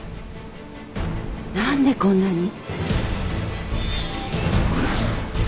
なんでこんなに？